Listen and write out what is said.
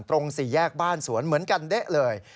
สี่แยกบ้านสวนเหมือนกันเด๊ะเลย